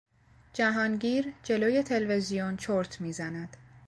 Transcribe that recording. جهانگیر جلو تلویزیون چرت میزند.